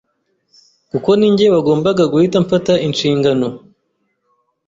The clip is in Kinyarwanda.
kuko ninjye wagombaga guhita mfata inshingano